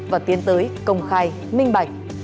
và tiến tới công khai minh bạch